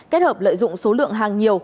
kết hợp lợi dụng số lượng hàng nhiều